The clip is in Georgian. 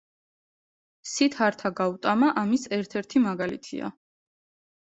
სიდჰართა გაუტამა ამის ერთ-ერთი მაგალითია.